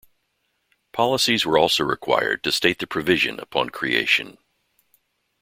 Policies were also required to state the provision upon creation.